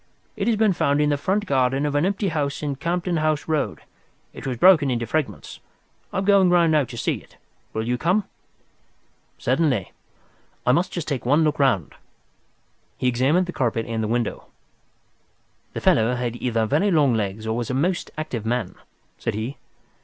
It has been found in the front garden of an empty house in Campden House Road. It was broken into fragments. I am going round now to see it. Will you come?" "Certainly. I must just take one look round." He examined the carpet and the window. "The fellow had either very long legs or was a most active man," said he.